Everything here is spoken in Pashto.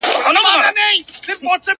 زور او زير مي ستا په لاس کي وليدی.